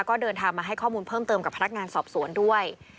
ก็เดินทางมาให้ข้อมูลเพิ่มเติมกับพนักงานสอบสวนด้วย